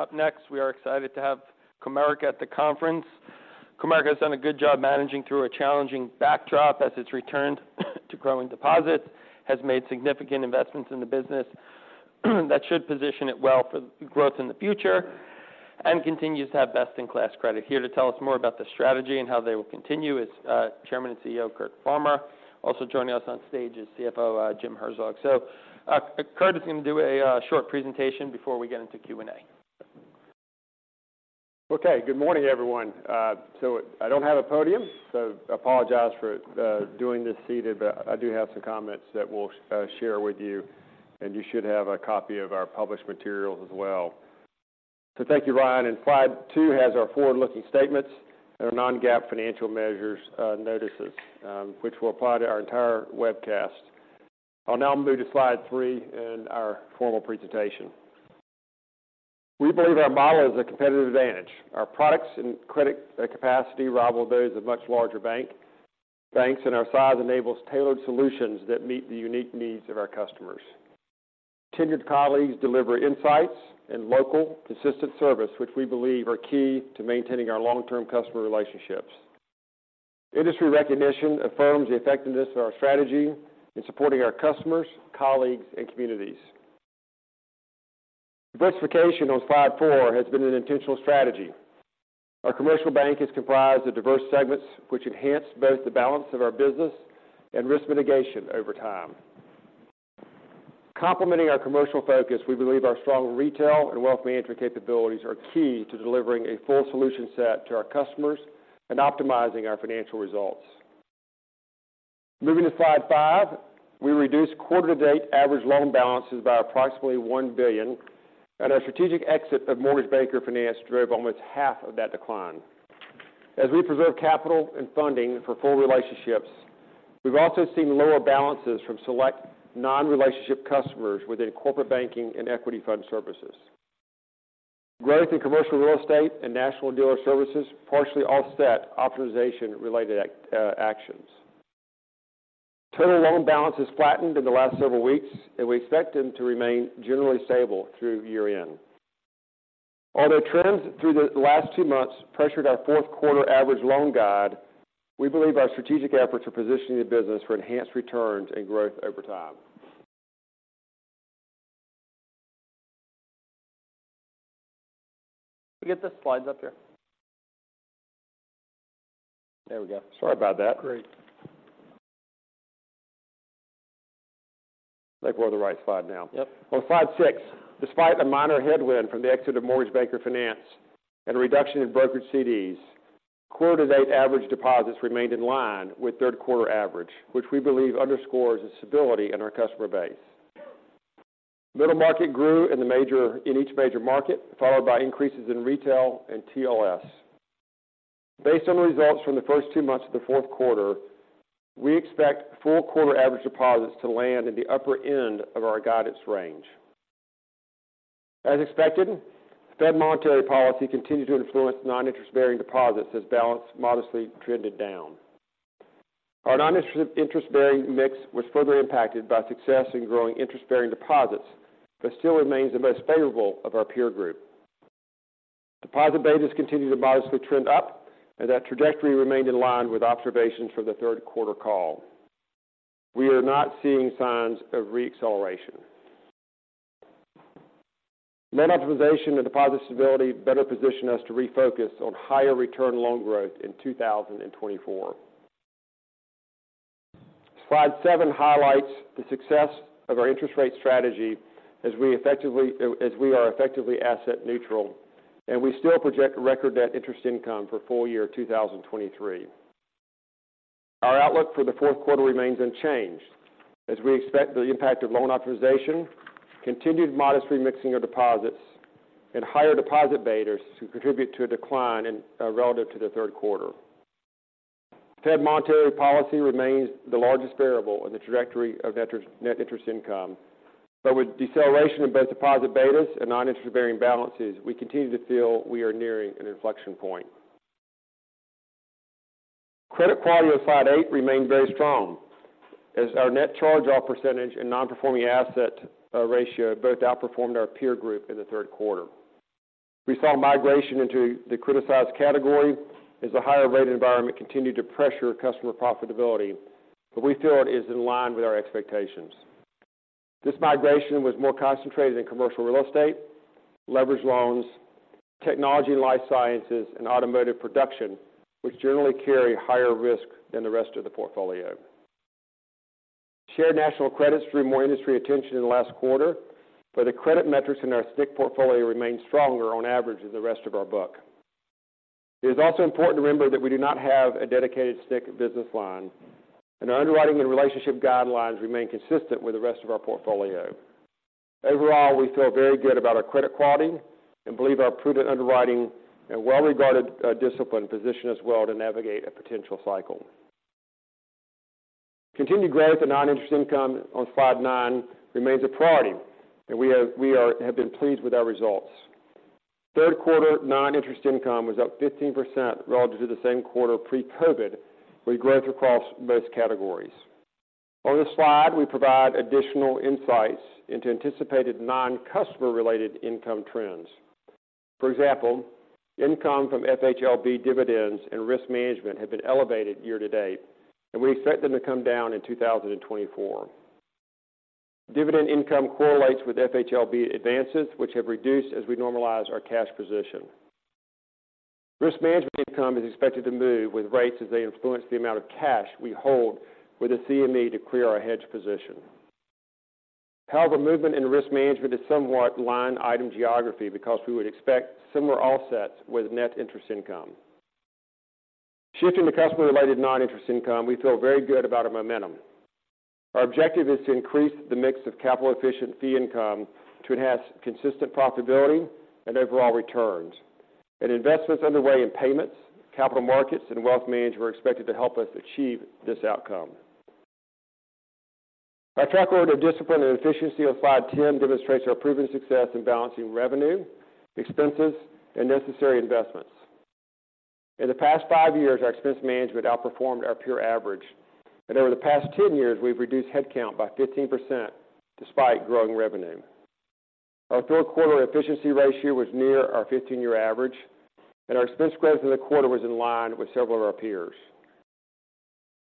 Up next, we are excited to have Comerica at the conference. Comerica has done a good job managing through a challenging backdrop as it's returned to growing deposits, has made significant investments in the business, that should position it well for growth in the future, and continues to have best-in-class credit. Here to tell us more about the strategy and how they will continue is Chairman and CEO, Curt Farmer. Also joining us on stage is CFO, Jim Herzog. Curt is going to do a short presentation before we get into Q&A. Okay, good morning, everyone. I don't have a podium, so I apologize for doing this seated, but I do have some comments that we'll share with you, and you should have a copy of our published materials as well. Thank you, Ryan, and slide two has our forward-looking statements and our Non-GAAP Financial Measures notices, which will apply to our entire webcast. I'll now move to slide three and our formal presentation. We believe our model is a competitive advantage. Our products and credit capacity rival those of much larger banks, and our size enables tailored solutions that meet the unique needs of our customers. Tenured colleagues deliver insights and local, consistent service, which we believe are key to maintaining our long-term customer relationships. Industry recognition affirms the effectiveness of our strategy in supporting our customers, colleagues, and communities. Diversification on slide 4 has been an intentional strategy. Our Commercial Bank is comprised of diverse segments, which enhance both the balance of our business and risk mitigation over time. Complementing our commercial focus, we believe our strong Retail Bank and Wealth Management capabilities are key to delivering a full solution set to our customers and optimizing our financial results. Moving to slide 5, we reduced quarter-to-date average loan balances by approximately $1 billion, and our strategic exit of Mortgage Banker Finance drove almost half of that decline. As we preserve capital and funding for full relationships, we've also seen lower balances from select non-relationship customers within corporate banking and Equity Fund Services. Growth in commercial real estate and National Dealer Services partially offset optimization-related actions. Total loan balances flattened in the last several weeks, and we expect them to remain generally stable through year-end. Although trends through the last two months pressured our fourth quarter average loan guide, we believe our strategic efforts are positioning the business for enhanced returns and growth over time. Can we get the slides up here? There we go. Sorry about that. Great. I think we're on the right slide now. Yep. On slide six, despite a minor headwind from the exit of Mortgage Banker Finance and a reduction in brokered CDs, quarter-to-date average deposits remained in line with third quarter average, which we believe underscores the stability in our customer base. Middle market grew in each major market, followed by increases in retail and TLS. Based on the results from the first two months of the fourth quarter, we expect full quarter average deposits to land in the upper end of our guidance range. As expected, Fed monetary policy continued to influence noninterest-bearing deposits as balance modestly trended down. Our noninterest-bearing, interest-bearing mix was further impacted by success in growing interest-bearing deposits, but still remains the most favorable of our peer group. Deposit betas continued to modestly trend up, and that trajectory remained in line with observations from the third quarter call. We are not seeing signs of re-acceleration. Net optimization and deposit stability better position us to refocus on higher return loan growth in 2024. Slide 7 highlights the success of our interest rate strategy as we effectively, as we are effectively asset neutral, and we still project a record net interest income for full year 2023. Our outlook for the fourth quarter remains unchanged, as we expect the impact of loan optimization, continued modest remixing of deposits, and higher deposit betas to contribute to a decline in, relative to the third quarter. Fed monetary policy remains the largest variable in the trajectory of net interest, net interest income. But with deceleration in both deposit betas and net interest-bearing balances, we continue to feel we are nearing an inflection point. Credit quality on slide eight remains very strong, as our net charge-off percentage and nonperforming asset ratio both outperformed our peer group in the third quarter. We saw migration into the criticized category as the higher rate environment continued to pressure customer profitability, but we feel it is in line with our expectations. This migration was more concentrated in commercial real estate, leveraged loans, Technology and Life Sciences, and automotive production, which generally carry higher risk than the rest of the portfolio. Shared National Credits drew more industry attention in the last quarter, but the credit metrics in our SNC portfolio remain stronger on average than the rest of our book. It is also important to remember that we do not have a dedicated SNC business line, and our underwriting and relationship guidelines remain consistent with the rest of our portfolio. Overall, we feel very good about our credit quality and believe our prudent underwriting and well-regarded discipline position us well to navigate a potential cycle. Continued growth in noninterest income on slide 9 remains a priority, and we have been pleased with our results. Third-quarter noninterest income was up 15% relative to the same quarter pre-COVID, with growth across most categories. On this slide, we provide additional insights into anticipated non-customer related income trends. For example, income from FHLB dividends and risk management have been elevated year to date, and we expect them to come down in 2024. Dividend income correlates with FHLB advances, which have reduced as we normalize our cash position. Risk management income is expected to move with rates as they influence the amount of cash we hold with the CME to clear our hedge position. However, movement in risk management is somewhat line item geography because we would expect similar offsets with net interest income. Shifting to customer-related non-interest income, we feel very good about our momentum. Our objective is to increase the mix of capital-efficient fee income to enhance consistent profitability and overall returns. Investments underway in payments, capital markets, and wealth management are expected to help us achieve this outcome. Our track record of discipline and efficiency on slide 10 demonstrates our proven success in balancing revenue, expenses, and necessary investments. In the past 5 years, our expense management outperformed our peer average, and over the past 10 years, we've reduced headcount by 15% despite growing revenue. Our third quarter efficiency ratio was near our 15-year average, and our expense growth in the quarter was in line with several of our peers.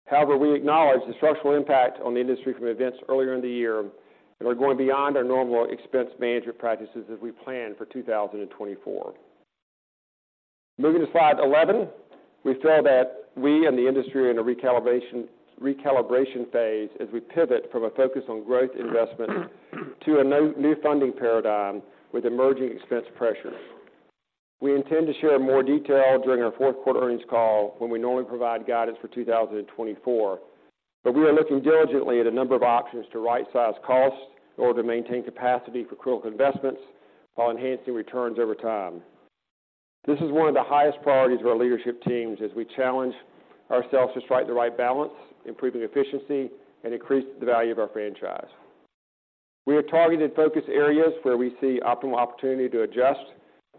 However, we acknowledge the structural impact on the industry from events earlier in the year and are going beyond our normal expense management practices as we plan for 2024. Moving to slide 11. We feel that we and the industry are in a recalibration phase as we pivot from a focus on growth investment to a new funding paradigm with emerging expense pressures. We intend to share more detail during our fourth quarter earnings call when we normally provide guidance for 2024, but we are looking diligently at a number of options to right-size costs or to maintain capacity for critical investments while enhancing returns over time. This is one of the highest priorities for our leadership teams as we challenge ourselves to strike the right balance, improving efficiency, and increase the value of our franchise. We have targeted focus areas where we see optimal opportunity to adjust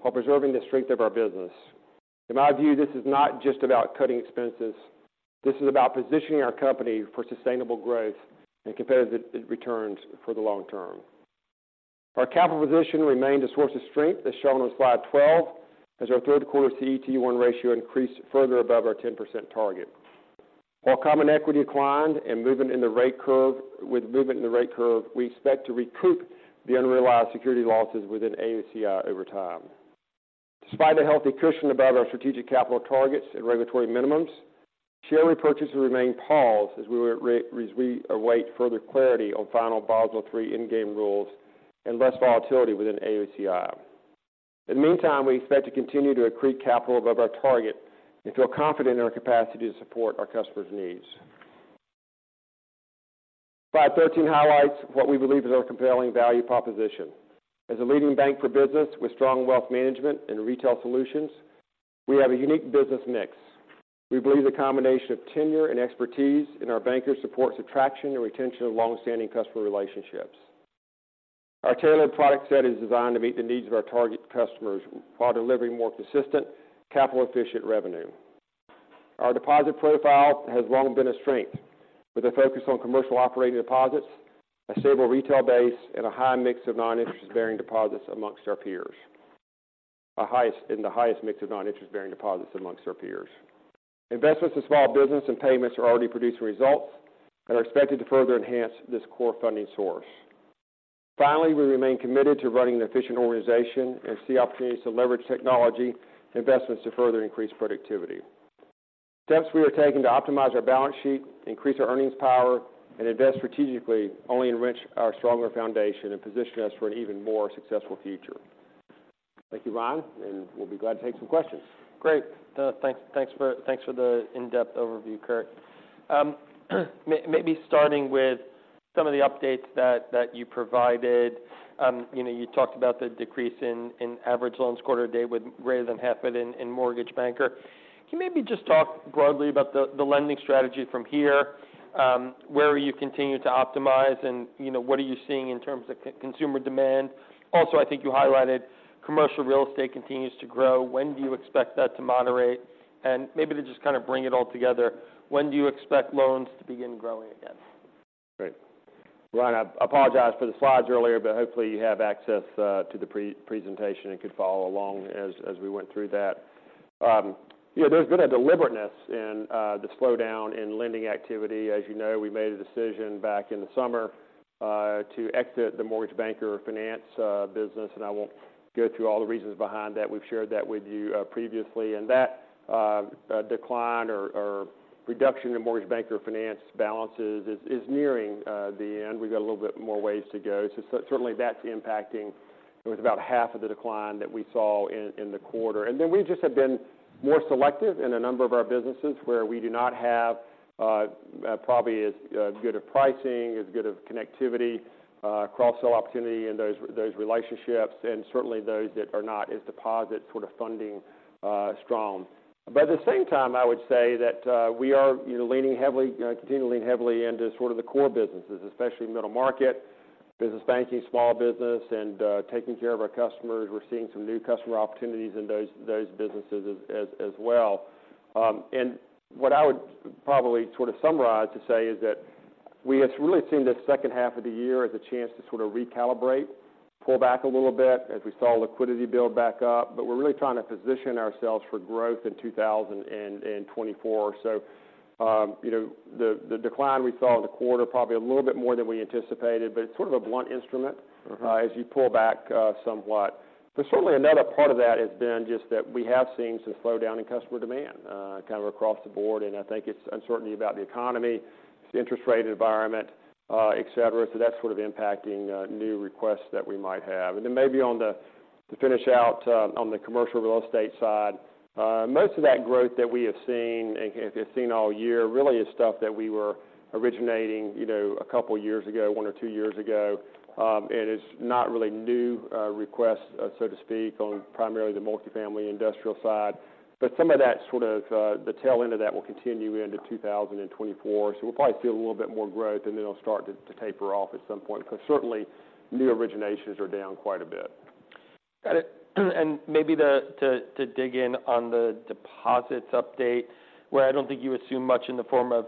while preserving the strength of our business. In my view, this is not just about cutting expenses. This is about positioning our company for sustainable growth and competitive returns for the long term. Our capital position remained a source of strength, as shown on slide 12, as our third quarter CET1 ratio increased further above our 10% target. While common equity declined, with movement in the rate curve, we expect to recoup the unrealized security losses within AOCI over time. Despite a healthy cushion above our strategic capital targets and regulatory minimums, share repurchases remain paused as we await further clarity on final Basel III Endgame rules and less volatility within AOCI. In the meantime, we expect to continue to accrete capital above our target and feel confident in our capacity to support our customers' needs. Slide 13 highlights what we believe is our compelling value proposition. As a leading bank for business with strong Wealth Management and retail solutions, we have a unique business mix. We believe the combination of tenure and expertise in our bankers supports attraction and retention of long-standing customer relationships. Our tailored product set is designed to meet the needs of our target customers while delivering more consistent, capital-efficient revenue. Our deposit profile has long been a strength, with a focus on commercial operating deposits, a stable retail base, and a high mix of noninterest-bearing deposits among our peers. The highest mix of noninterest-bearing deposits among our peers. Investments in small business and payments are already producing results that are expected to further enhance this core funding source. Finally, we remain committed to running an efficient organization and see opportunities to leverage technology investments to further increase productivity. Steps we are taking to optimize our balance sheet, increase our earnings power, and invest strategically only enrich our stronger foundation and position us for an even more successful future. Thank you, Ryan, and we'll be glad to take some questions. Great. Thanks for the in-depth overview, Curt. Maybe starting with some of the updates that you provided. You know, you talked about the decrease in average loans quarter to date, with greater than half it in mortgage banker. Can you maybe just talk broadly about the lending strategy from here? Where are you continuing to optimize? And, you know, what are you seeing in terms of consumer demand? Also, I think you highlighted commercial real estate continues to grow. When do you expect that to moderate? And maybe to just kind of bring it all together, when do you expect loans to begin growing again? Great. Ryan, I apologize for the slides earlier, but hopefully you have access to the pre-presentation and could follow along as we went through that. Yeah, there's been a deliberateness in the slowdown in lending activity. As you know, we made a decision back in the summer to exit the Mortgage Banker Finance business, and I won't go through all the reasons behind that. We've shared that with you previously, and that decline or reduction in Mortgage Banker Finance balances is nearing the end. We've got a little bit more ways to go, so certainly, that's impacting. It was about half of the decline that we saw in the quarter. Then we just have been more selective in a number of our businesses where we do not have, probably as, good of pricing, as good of connectivity, cross-sell opportunity in those, those relationships, and certainly those that are not as deposit sort of funding, strong. At the same time, I would say that, we are leaning heavily, continuing to lean heavily into sort of the core businesses, especially middle market, business banking, small business, and, taking care of our customers. We're seeing some new customer opportunities in those, those businesses as, as, as well. What I would probably sort of summarize to say is that we have really seen this second half of the year as a chance to sort of recalibrate, pull back a little bit as we saw liquidity build back up. We're really trying to position ourselves for growth in 2024, so, you know, the decline we saw in the quarter, probably a little bit more than we anticipated, but it's sort of a blunt instrument- Mm-hmm. As you pull back, somewhat. But certainly another part of that has been just that we have seen some slowdown in customer demand, kind of across the board, and I think it's uncertainty about the economy, interest rate environment, et cetera. That's sort of impacting, new requests that we might have, and then maybe to finish out, on the commercial real estate side, most of that growth that we have seen and have seen all year really is stuff that we were originating, you know, a couple of years ago, one or two years ago. It's not really new, requests, so to speak, on primarily the multifamily industrial side, but some of that sort of, the tail end of that will continue into 2024. We'll probably see a little bit more growth, and then it'll start to taper off at some point, because certainly, new originations are down quite a bit. Got it. And maybe to dig in on the deposits update, where I don't think you assume much in the form of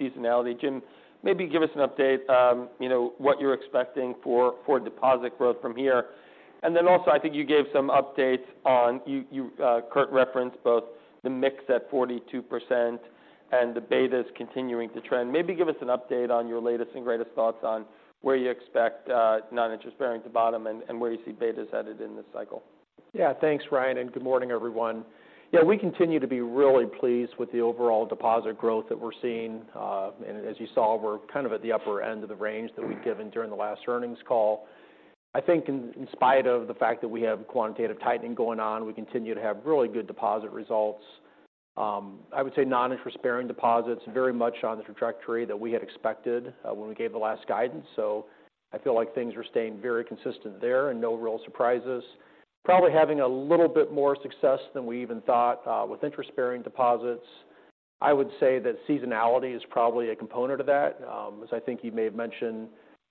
seasonality. Jim, maybe give us an update, you know, what you're expecting for deposit growth from here, and then also, I think you gave some updates on, Curt referenced both the mix at 42% and the betas continuing to trend. Maybe give us an update on your latest and greatest thoughts on where you expect noninterest-bearing to bottom and where you see betas headed in this cycle. Yeah. Thanks, Ryan, and good morning, everyone. Yeah, we continue to be really pleased with the overall deposit growth that we're seeing. And as you saw, we're kind of at the upper end of the range that we've given during the last earnings call. I think in spite of the fact that we have quantitative tightening going on, we continue to have really good deposit results. I would say non-interest bearing deposits very much on the trajectory that we had expected when we gave the last guidance. So I feel like things are staying very consistent there and no real surprises. Probably having a little bit more success than we even thought with interest-bearing deposits. I would say that seasonality is probably a component of that. As I think you may have mentioned,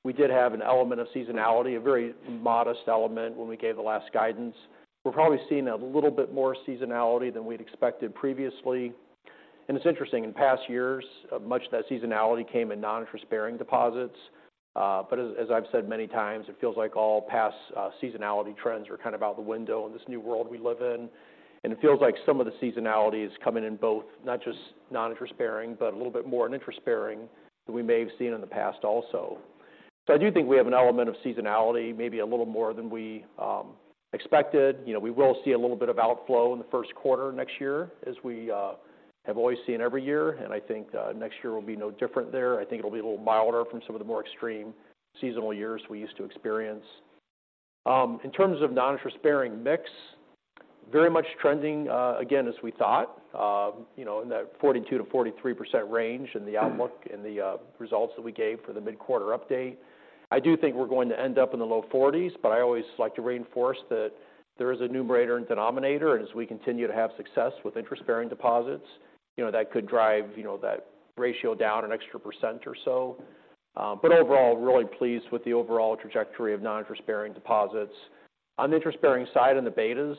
we did have an element of seasonality, a very modest element when we gave the last guidance. We're probably seeing a little bit more seasonality than we'd expected previously, and it's interesting, in past years, much of that seasonality came in noninterest-bearing deposits. As I've said many times, it feels like all past seasonality trends are kind of out the window in this new world we live in. It feels like some of the seasonality is coming in both, not just noninterest-bearing, but a little bit more in interest-bearing than we may have seen in the past also. So I do think we have an element of seasonality, maybe a little more than we expected. We will see a little bit of outflow in the first quarter next year, as we have always seen every year, and I think next year will be no different there. I think it'll be a little milder from some of the more extreme seasonal years we used to experience. In terms of noninterest-bearing mix, very much trending again, as we thought, you know, in that 42%-43% range in the outlook and the results that we gave for the mid-quarter update. I do think we're going to end up in the low 40s, but I always like to reinforce that there is a numerator and denominator, and as we continue to have success with interest-bearing deposits, you know, that could drive, you know, that ratio down an extra % or so. Overall, really pleased with the overall trajectory of noninterest-bearing deposits. On the interest-bearing side and the betas,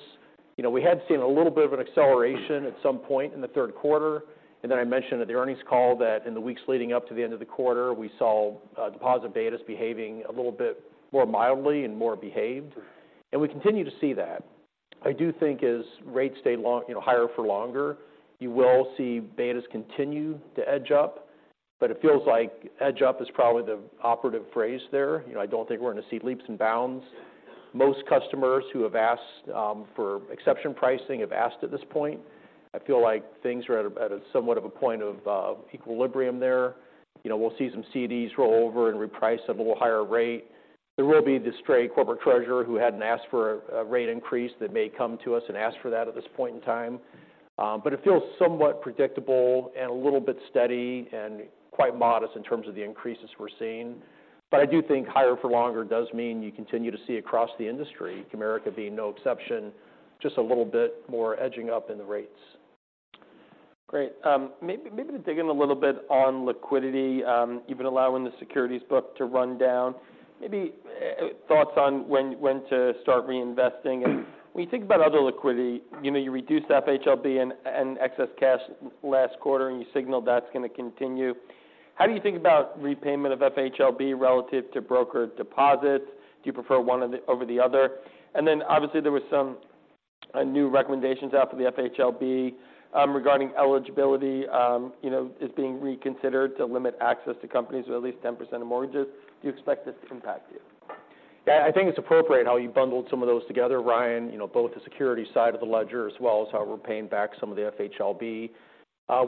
you know, we had seen a little bit of an acceleration at some point in the third quarter, and then I mentioned at the earnings call that in the weeks leading up to the end of the quarter, we saw deposit betas behaving a little bit more mildly and more behaved, and we continue to see that. I do think as rates stay long, you know, higher for longer, you will see betas continue to edge up, but it feels like edge up is probably the operative phrase there. You know, I don't think we're going to see leaps and bounds. Most customers who have asked for exception pricing have asked at this point. I feel like things are at a somewhat of a point of equilibrium there. You know, we'll see some CDs roll over and reprice at a little higher rate. There will be the stray corporate treasurer who hadn't asked for a rate increase that may come to us and ask for that at this point in time, but it feels somewhat predictable and a little bit steady and quite modest in terms of the increases we're seeing. But I do think higher for longer does mean you continue to see across the industry, Comerica being no exception, just a little bit more edging up in the rates. Great. Maybe to dig in a little bit on liquidity, you've been allowing the securities book to run down. Maybe thoughts on when to start reinvesting. And when you think about other liquidity, you know, you reduced FHLB and excess cash last quarter, and you signaled that's going to continue. How do you think about repayment of FHLB relative to brokered deposits? Do you prefer one of the-- over the other? And then obviously, there were some new recommendations out for the FHLB, regarding eligibility, you know, is being reconsidered to limit access to companies with at least 10% of mortgages. Do you expect this to impact you? Yeah, I think it's appropriate how you bundled some of those together, Ryan. You know, both the security side of the ledger as well as how we're paying back some of the FHLB.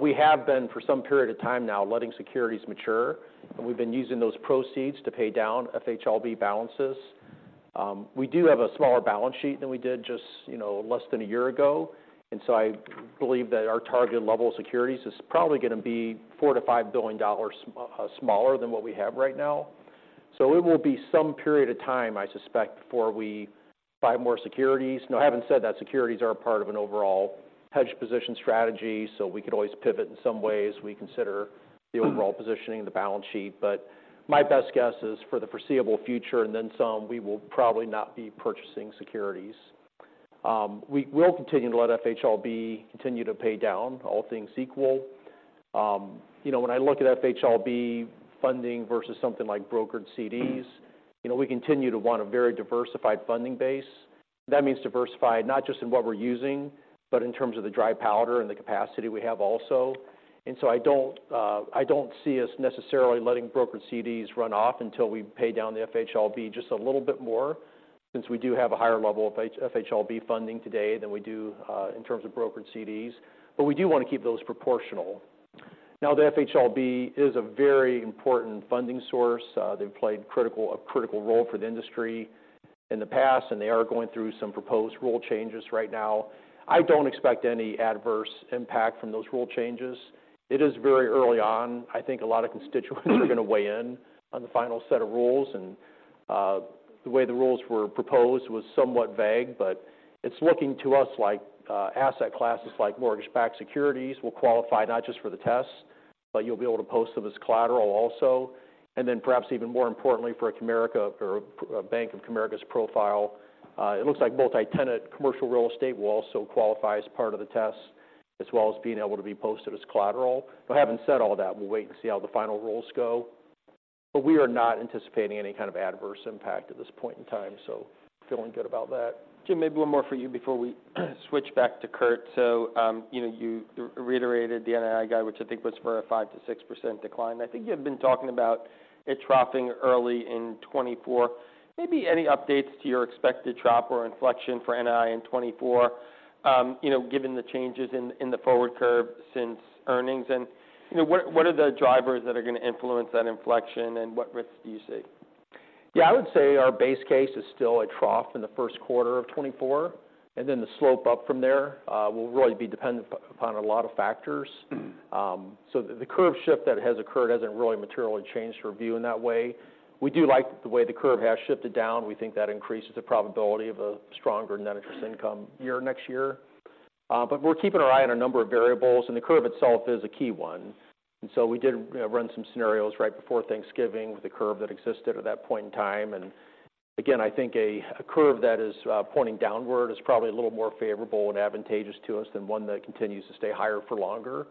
We have been, for some period of time now, letting securities mature, and we've been using those proceeds to pay down FHLB balances. We do have a smaller balance sheet than we did just, you know, less than a year ago, and so I believe that our target level of securities is probably going to be $4 billion-$5 billion smaller than what we have right now. So it will be some period of time, I suspect, before we... buy more securities. Now, having said that, securities are a part of an overall hedge position strategy, so we could always pivot in some ways. We consider the overall positioning and the balance sheet. My best guess is for the foreseeable future, and then some, we will probably not be purchasing securities. We will continue to let FHLB continue to pay down all things equal. When I look at FHLB funding versus something like brokered CDs, you know, we continue to want a very diversified funding base. That means diversified, not just in what we're using, but in terms of the dry powder and the capacity we have also. And so I don't, I don't see us necessarily letting brokered CDs run off until we pay down the FHLB just a little bit more, since we do have a higher level of FHLB funding today than we do, in terms of brokered CDs. But we do want to keep those proportional. Now, the FHLB is a very important funding source. They've played a critical role for the industry in the past, and they are going through some proposed rule changes right now. I don't expect any adverse impact from those rule changes. It is very early on. I think a lot of constituents are going to weigh in on the final set of rules, and the way the rules were proposed was somewhat vague, but it's looking to us like asset classes, like mortgage-backed securities, will qualify not just for the tests, but you'll be able to post them as collateral also. Then perhaps even more importantly, for a Comerica or a Bank of America's profile, it looks like multi-tenant commercial real estate will also qualify as part of the test, as well as being able to be posted as collateral. Having said all that, we'll wait and see how the final rules go, but we are not anticipating any kind of adverse impact at this point in time, so feeling good about that. Jim, maybe one more for you before we switch back to Curt. You reiterated the NII guide, which I think was for a 5%-6% decline. I think you have been talking about it dropping early in 2024. Maybe any updates to your expected drop or inflection for NII in 2024, you know, given the changes in, in the forward curve since earnings? And, you know, what, what are the drivers that are going to influence that inflection, and what risks do you see? Yeah, I would say our base case is still a trough in the first quarter of 2024, and then the slope up from there will really be dependent upon a lot of factors. So the curve shift that has occurred hasn't really materially changed our view in that way. We do like the way the curve has shifted down. We think that increases the probability of a stronger net interest income year next year, but we're keeping our eye on a number of variables, and the curve itself is a key one. We did run some scenarios right before Thanksgiving with the curve that existed at that point in time, and again, I think a curve that is pointing downward is probably a little more favorable and advantageous to us than one that continues to stay higher for longer.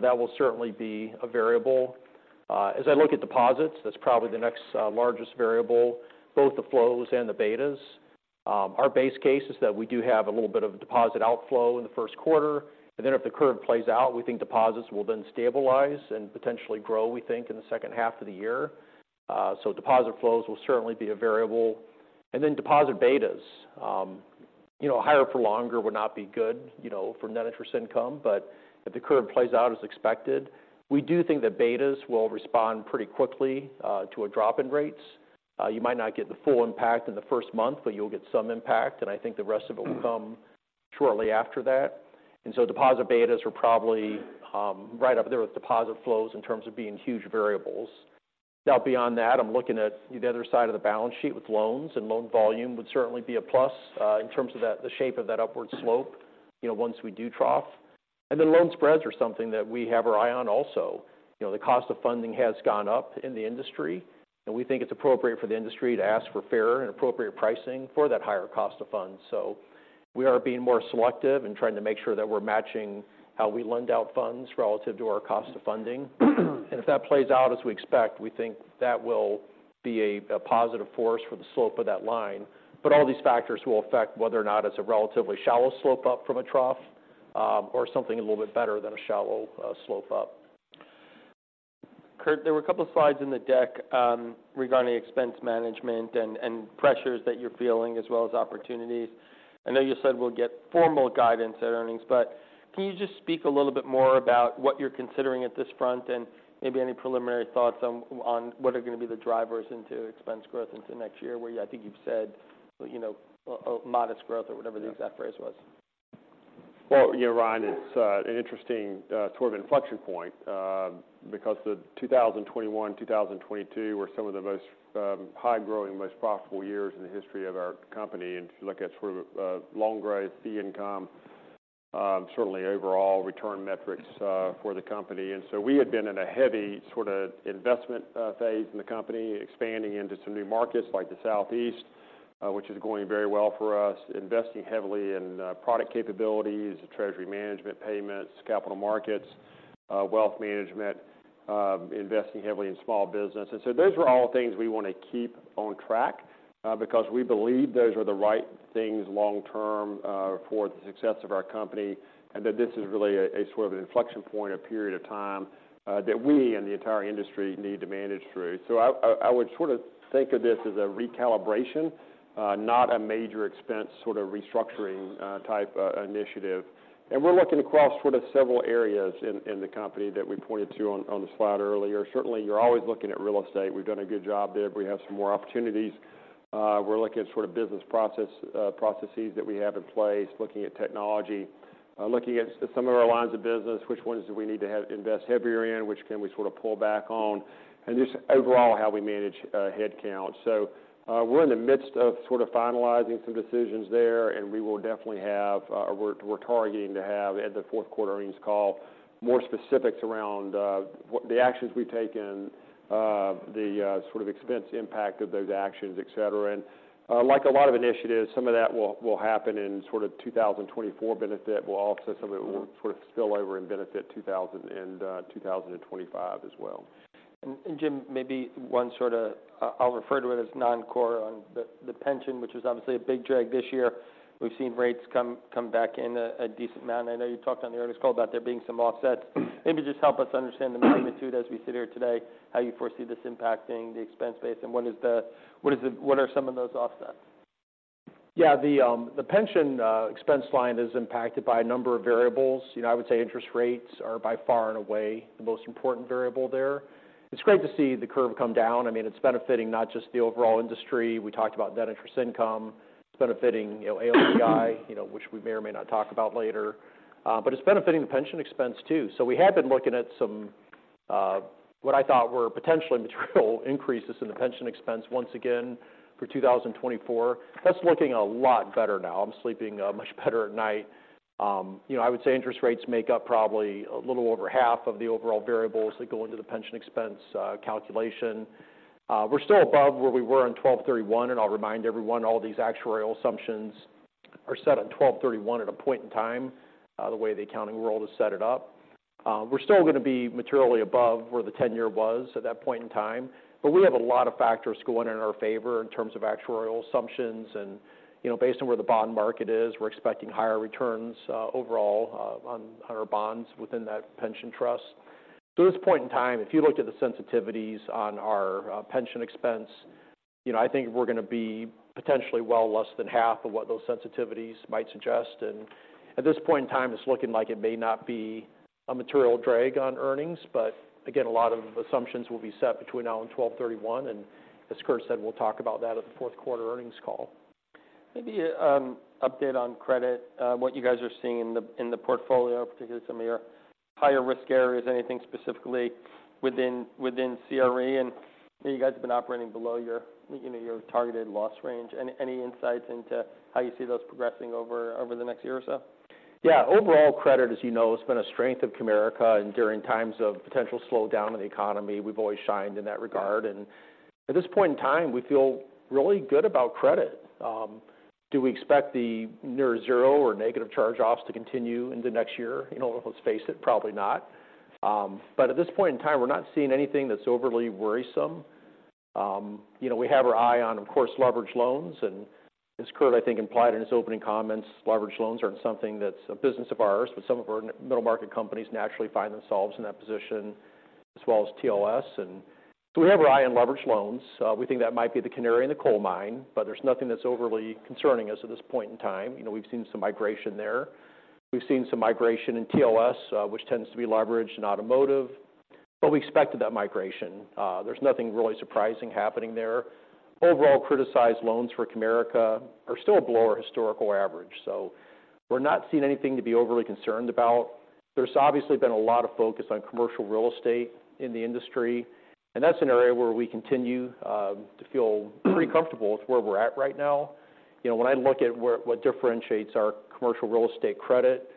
That will certainly be a variable. As I look at deposits, that's probably the next largest variable, both the flows and the betas. Our base case is that we do have a little bit of a deposit outflow in the first quarter, and then if the curve plays out, we think deposits will then stabilize and potentially grow, we think, in the second half of the year. So deposit flows will certainly be a variable. Then deposit betas. You know, higher for longer would not be good, you know, for Net Interest Income, but if the curve plays out as expected, we do think that betas will respond pretty quickly to a drop in rates. You might not get the full impact in the first month, but you'll get some impact, and I think the rest of it will come shortly after that. And so deposit betas are probably right up there with deposit flows in terms of being huge variables. Now, beyond that, I'm looking at the other side of the balance sheet with loans, and loan volume would certainly be a plus in terms of that, the shape of that upward slope, you know, once we do trough. And then loan spreads are something that we have our eye on also. You know, the cost of funding has gone up in the industry, and we think it's appropriate for the industry to ask for fairer and appropriate pricing for that higher cost of funds. We are being more selective and trying to make sure that we're matching how we lend out funds relative to our cost of funding. If that plays out as we expect, we think that will be a positive force for the slope of that line, but all these factors will affect whether or not it's a relatively shallow slope up from a trough, or something a little bit better than a shallow slope up. Curt, there were a couple of slides in the deck regarding expense management and pressures that you're feeling, as well as opportunities. I know you said we'll get formal guidance at earnings, but can you just speak a little bit more about what you're considering at this front and maybe any preliminary thoughts on what are going to be the drivers into expense growth into next year, where I think you've said, you know, a modest growth or whatever the exact phrase was? Well, yeah, Ryan, it's an interesting sort of inflection point because 2021, 2022 were some of the most high-growing, most profitable years in the history of our company, and if you look at sort of loan growth, fee income, certainly overall return metrics for the company. We had been in a heavy sort of investment phase in the company, expanding into some new markets like the Southeast, which is going very well for us. Investing heavily in product capabilities, treasury management, payments, capital markets, Wealth Management, investing heavily in small business. Those are all things we want to keep on track, because we believe those are the right things long term, for the success of our company, and that this is really a sort of an inflection point or period of time, that we and the entire industry need to manage through. I would sort of think of this as a recalibration, not a major expense sort of restructuring type initiative. We're looking across sort of several areas in the company that we pointed to on the slide earlier. Certainly, you're always looking at real estate. We've done a good job there, but we have some more opportunities. We're looking at sort of business process, processes that we have in place, looking at technology, looking at some of our lines of business, which ones do we need to have invest heavier in, which can we sort of pull back on, and just overall, how we manage, headcount. We're in the midst of sort of finalizing some decisions there, and we will definitely have, we're targeting to have at the fourth quarter earnings call, more specifics around, what the actions we've taken, the sort of expense impact of those actions, et cetera. Like, a lot of initiatives, some of that will happen in sort of 2024, benefit will also some of it will sort of spill over and benefit 2025 as well. Jim, maybe one sort of, I'll refer to it as non-core on the pension, which is obviously a big drag this year. We've seen rates come back in a decent amount. I know you talked on the earnings call about there being some offsets. Maybe just help us understand the magnitude as we sit here today, how you foresee this impacting the expense base, and what are some of those offsets? Yeah, the, the pension expense line is impacted by a number of variables. I would say interest rates are by far and away the most important variable there. It's great to see the curve come down. I mean, it's benefiting not just the overall industry. We talked about net interest income. It's benefiting AOCI which we may or may not talk about later, but it's benefiting the pension expense, too. We had been looking at some, what I thought were potentially material increases in the pension expense once again for 2024. That's looking a lot better now. I'm sleeping much better at night. I would say interest rates make up probably a little over half of the overall variables that go into the pension expense calculation. We're still above where we were on 12/31, and I'll remind everyone, all these actuarial assumptions are set on 12/31 at a point in time, the way the accounting world is set it up. We're still going to be materially above where the 10-year was at that point in time, but we have a lot of factors going in our favor in terms of actuarial assumptions, and based on where the bond market is, we're expecting higher returns, overall, on, on our bonds within that pension trust. At this point in time, if you looked at the sensitivities on our, pension expense, you know, I think we're going to be potentially well less than half of what those sensitivities might suggest. At this point in time, it's looking like it may not be a material drag on earnings, but again, a lot of assumptions will be set between now and 12/31. As Curt said, we'll talk about that at the fourth quarter earnings call. Maybe, update on credit, what you guys are seeing in the portfolio, particularly some of your higher risk areas. Anything specifically within CRE, and you guys have been operating below your, you know, your targeted loss range. Any insights into how you see those progressing over the next year or so? Yeah. Overall credit, as you know, has been a strength of Comerica, and during times of potential slowdown in the economy, we've always shined in that regard. At this point in time, we feel really good about credit. Do we expect the near zero or negative charge-offs to continue into next year? You know, let's face it, probably not, but at this point in time, we're not seeing anything that's overly worrisome. We have our eye on, of course, leveraged loans, and as Curt, I think, implied in his opening comments, leveraged loans aren't something that's a business of ours, but some of our middle market companies naturally find themselves in that position, as well as TLS, and so we have our eye on leveraged loans. We think that might be the canary in the coal mine, but there's nothing that's overly concerning us at this point in time. You know, we've seen some migration there. We've seen some migration in TLS, which tends to be leveraged in automotive, but we expected that migration. There's nothing really surprising happening there. Overall, criticized loans for Comerica are still below our historical average, so we're not seeing anything to be overly concerned about. There's obviously been a lot of focus on commercial real estate in the industry, and that's an area where we continue to feel pretty comfortable with where we're at right now. You know, when I look at where- what differentiates our commercial real estate credit,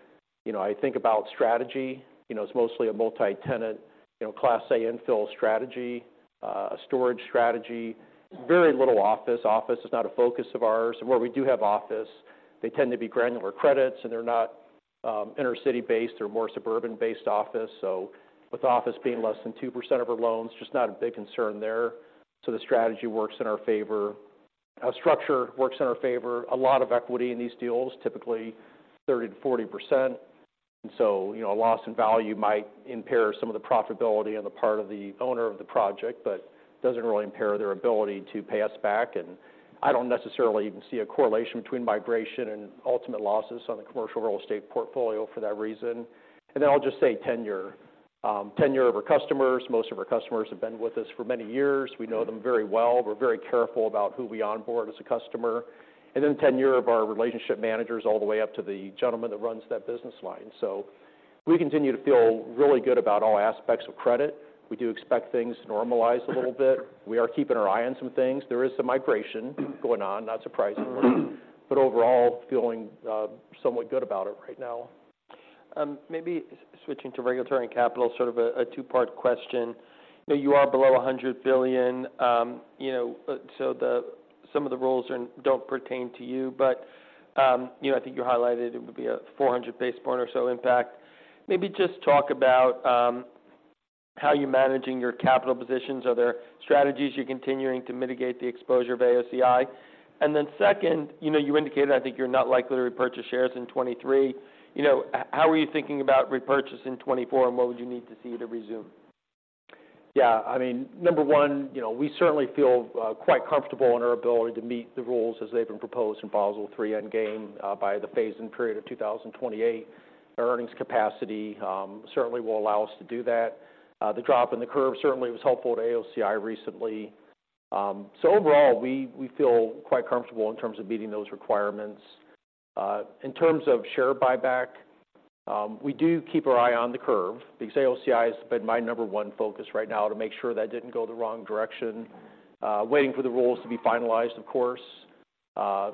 you know, I think about strategy. You know, it's mostly a multi-tenant, you know, Class A infill strategy, a storage strategy. Very little office. Office is not a focus of ours, and where we do have office, they tend to be granular credits, and they're not inner-city based or more suburban-based office. So with office being less than 2% of our loans, just not a big concern there, so the strategy works in our favor. Our structure works in our favor. A lot of equity in these deals, typically 30%-40%, and so, you know, a loss in value might impair some of the profitability on the part of the owner of the project, but doesn't really impair their ability to pay us back. And I don't necessarily even see a correlation between migration and ultimate losses on the commercial real estate portfolio for that reason. And then I'll just say tenure. Tenure of our customers. Most of our customers have been with us for many years. We know them very well. We're very careful about who we onboard as a customer, and then tenure of our relationship managers, all the way up to the gentleman that runs that business line. We continue to feel really good about all aspects of credit. We do expect things to normalize a little bit. We are keeping our eye on some things. There is some migration going on, not surprisingly, but overall, feeling, somewhat good about it right now. Maybe switching to regulatory and capital, sort of a two-part question. You know, you are below $100 billion, you know, so some of the rules don't pertain to you. But, you know, I think you highlighted it would be a 400 basis point or so impact. Maybe just talk about how you're managing your capital positions. Are there strategies you're continuing to mitigate the exposure of AOCI? And then second, you know, you indicated, I think, you're not likely to repurchase shares in 2023. You know, how are you thinking about repurchase in 2024, and what would you need to see to resume? Yeah, I mean, number one, you know, we certainly feel quite comfortable in our ability to meet the rules as they've been proposed in Basel III Endgame by the phase-in period of 2028. Our earnings capacity certainly will allow us to do that. The drop in the curve certainly was helpful to AOCI recently. So overall, we feel quite comfortable in terms of meeting those requirements. In terms of share buyback, we do keep our eye on the curve because AOCI has been my number one focus right now to make sure that didn't go the wrong direction. Waiting for the rules to be finalized, and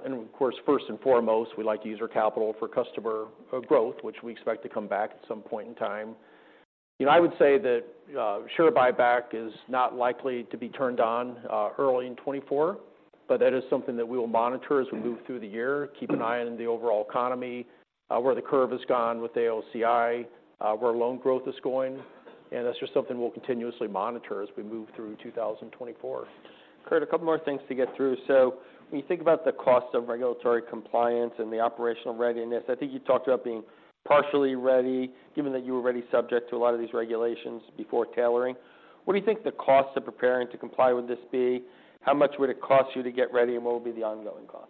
of course, first and foremost, we like to use our capital for customer growth, which we expect to come back at some point in time. You know, I would say that, share buyback is not likely to be turned on, early in 2024, but that is something that we will monitor as we move through the year. Keep an eye on the overall economy, where the curve has gone with AOCI, where loan growth is going, and that's just something we'll continuously monitor as we move through 2024. Curt, a couple more things to get through. So when you think about the cost of regulatory compliance and the operational readiness, I think you talked about being partially ready, given that you were already subject to a lot of these regulations before tailoring. What do you think the cost of preparing to comply with this be? How much would it cost you to get ready, and what will be the ongoing cost?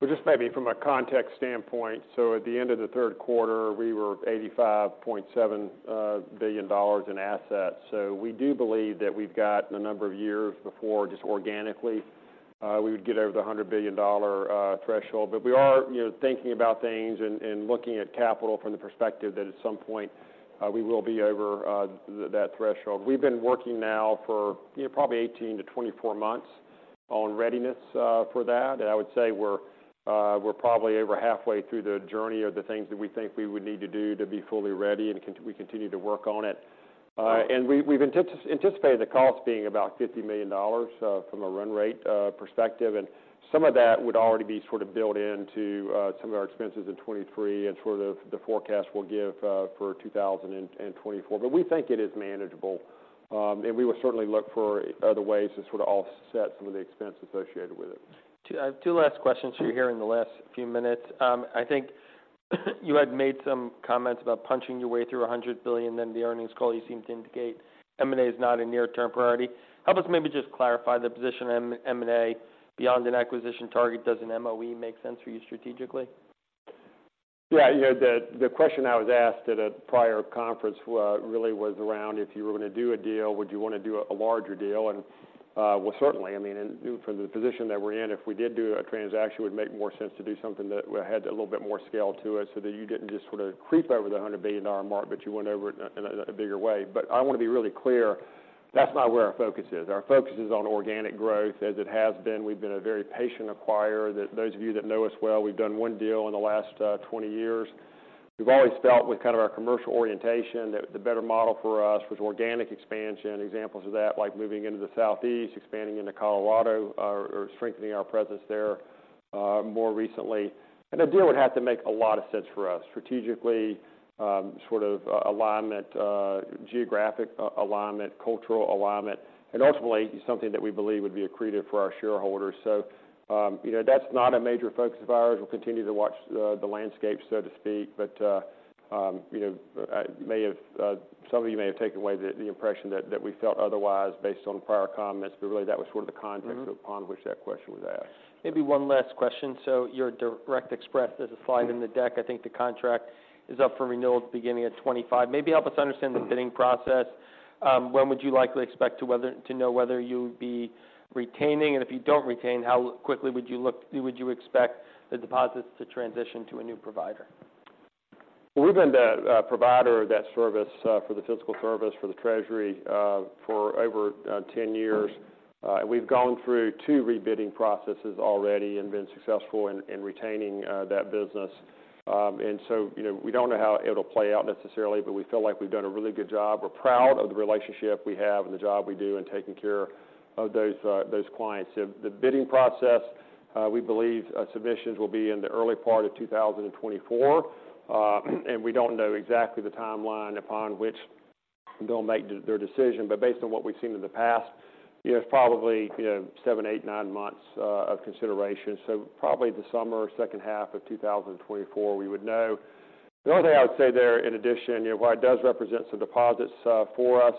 Well, just maybe from a context standpoint, so at the end of the third quarter, we were $85.7 billion in assets. We do believe that we've got a number of years before, just organically, we would get over the $100 billion threshold. We arethinking about things and looking at capital from the perspective that at some point, we will be over that threshold. We've been working now for, you know, probably 18-24 months on readiness for that. And I would say we're probably over halfway through the journey of the things that we think we would need to do to be fully ready, and we continue to work on it. We've anticipated the cost being about $50 million from a run rate perspective. And some of that would already be sort of built into some of our expenses in 2023 and sort of the forecast we'll give for 2024. We think it is manageable, and we will certainly look for other ways to sort of offset some of the expense associated with it. Two, two last questions for you here in the last few minutes. I think you had made some comments about punching your way through $100 billion, then the earnings call, you seemed to indicate M&A is not a near-term priority. Help us maybe just clarify the position in M- M&A. Beyond an acquisition target, does an MOE make sense for you strategically? Yeah. You know, the question I was asked at a prior conference really was around, if you were going to do a deal, would you want to do a larger deal? And, well, certainly, I mean, and from the position that we're in, if we did do a transaction, it would make more sense to do something that had a little bit more scale to it, so that you didn't just sort of creep over the $100 billion mark, but you went over it in a bigger way. I want to be really clear, that's not where our focus is. Our focus is on organic growth, as it has been. We've been a very patient acquirer. That, those of you that know us well, we've done 1 deal in the last 20 years. We've always felt with kind of our commercial orientation, that the better model for us was organic expansion. Examples of that, like moving into the Southeast, expanding into Colorado, or strengthening our presence there more recently. The deal would have to make a lot of sense for us strategically, sort of alignment, geographic alignment, cultural alignment, and ultimately something that we believe would be accretive for our shareholders. That's not a major focus of ours. We'll continue to watch the landscape, so to speak. But, you know, some of you may have taken away the impression that we felt otherwise based on prior comments, but really, that was sort of the context upon which that question was asked. Maybe one last question. So your Direct Express, there's a slide in the deck. I think the contract is up for renewal at the beginning of 2025. Maybe help us understand the bidding process. When would you likely expect to know whether you would be retaining? And if you don't retain, how quickly would you expect the deposits to transition to a new provider? We've been the provider of that service for the physical service for the Treasury for over 10 years. We've gone through 2 rebidding processes already and been successful in retaining that business. We don't know how it'll play out necessarily, but we feel like we've done a really good job. We're proud of the relationship we have and the job we do in taking care of those clients, so the bidding process, we believe, submissions will be in the early part of 2024. We don't know exactly the timeline upon which they'll make their decision, but based on what we've seen in the past, you know, probably 7, 8, 9 months of consideration. Probably the summer or second half of 2024, we would know. The only thing I would say there, in addition, you know, while it does represent some deposits, for us,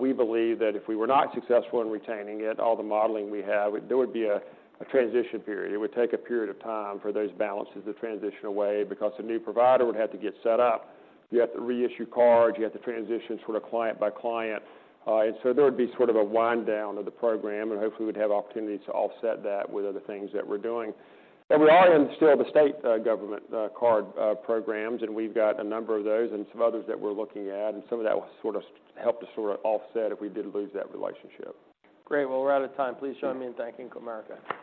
we believe that if we were not successful in retaining it, all the modeling we have, there would be a transition period. It would take a period of time for those balances to transition away because the new provider would have to get set up. You have to reissue cards, you have to transition sort of client by client. And so there would be sort of a wind down of the program, and hopefully, we'd have opportunities to offset that with other things that we're doing. We are in, still, the state government card programs, and we've got a number of those and some others that we're looking at. Some of that will sort of help to sort of offset if we did lose that relationship. Great. Well, we're out of time. Please join me in thanking Comerica.